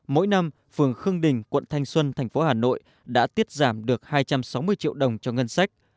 mỗi năm phường khương đình quận thanh xuân thành phố hà nội đã tiết giảm được hai trăm sáu mươi triệu đồng cho ngân sách